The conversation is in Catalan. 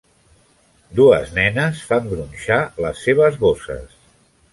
Dues nenes fan gronxar les seves bosses.